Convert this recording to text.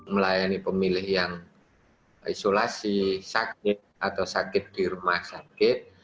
melayani pemilihan isolasi sakit atau sakit di rumah sakit